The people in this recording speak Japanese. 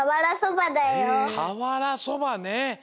かわらそばね。